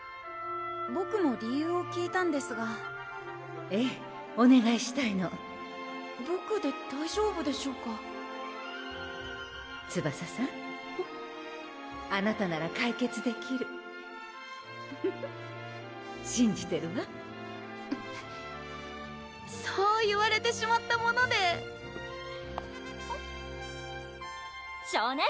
ボクも理由を聞いたんですがええおねがいしたいのボクで大丈夫でしょうかツバサさんあなたなら解決できるフフフッしんじてるわそう言われてしまったもので少年！